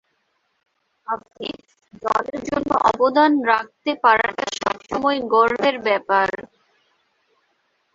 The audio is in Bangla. আফিফ: দলের জন্য অবদান রাখতে পারাটা সব সময় গর্বের ব্যাপার।